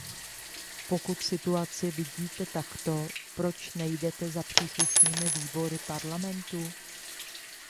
Pokud situaci vidíte takto, proč nejdete za příslušnými výbory Parlamentu?